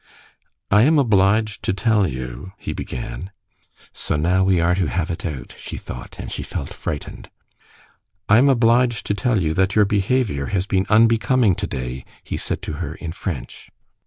"I am obliged to tell you," he began. "So now we are to have it out," she thought, and she felt frightened. "I am obliged to tell you that your behavior has been unbecoming today," he said to her in French.